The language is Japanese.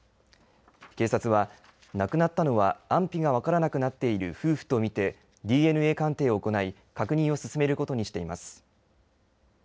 警察は亡くなったのは安否が分からなくなっている夫婦とみて、ＤＮＡ鑑定を行い確認を進めることにしています。